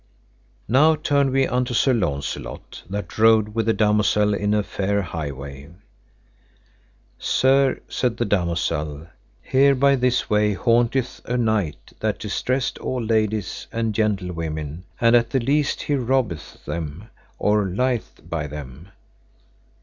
Now turn we unto Sir Launcelot, that rode with the damosel in a fair highway. Sir, said the damosel, here by this way haunteth a knight that distressed all ladies and gentlewomen, and at the least he robbeth them or lieth by them.